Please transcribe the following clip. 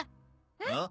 えっ？